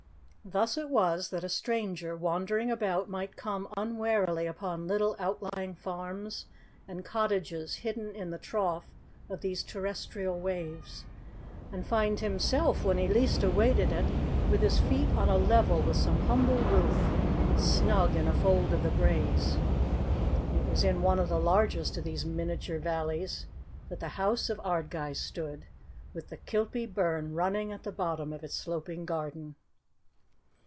Thus it was that a stranger, wandering about, might come unwarily upon little outlying farms and cottages hidden in the trough of these terrestrial waves, and find himself, when he least awaited it, with his feet on a level with some humble roof, snug in a fold of the braes. It was in one of the largest of these miniature valleys that the house of Ardguys stood, with the Kilpie burn running at the bottom of its sloping garden.